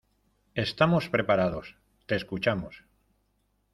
estamos preparados, te escuchamos.